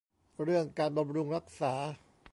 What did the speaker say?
เรื่องการบำรุงรักษา